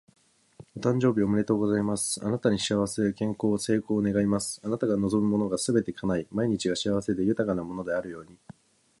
お誕生日おめでとうございます！あなたに幸せ、健康、成功を願います。あなたが望むものがすべて叶い、毎日が幸せで豊かなものであるように。